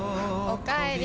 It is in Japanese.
おかえり。